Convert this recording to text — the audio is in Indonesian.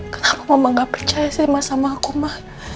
kenapa mama gak percaya sih sama aku ma